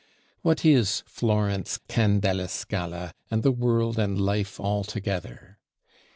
What is Florence, Can della Scala, and the World and Life altogether?